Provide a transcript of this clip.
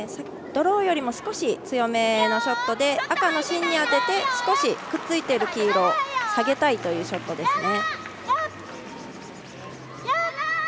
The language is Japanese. ドローよりも少し強めのショットで赤の芯に当てて少しくっついている黄色下げたいというショットです。